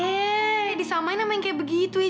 eh disamain sama yang kayak begitu ya